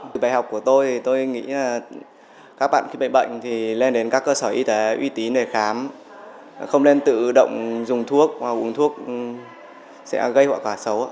từ bài học của tôi thì tôi nghĩ là các bạn khi bị bệnh thì lên đến các cơ sở y tế uy tín để khám không nên tự động dùng thuốc uống thuốc sẽ gây hoạc hỏa xấu